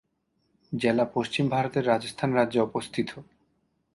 জেলা পশ্চিম ভারতের রাজস্থান রাজ্যে অবস্থিত।